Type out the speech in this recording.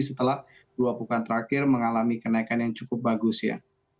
setelah dua pekan terakhir mengalami kenaikan yang cukup bagus ya